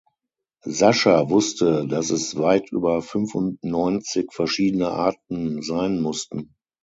Sascha wusste das es weit über fünfundneunzig verschiedene Arten sein mussten.